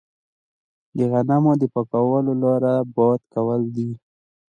د غنمو د پاکولو لاره باد کول دي.